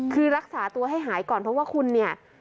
คือรักษาตัวให้หายก่อนเพราะว่าคุณเนี่ย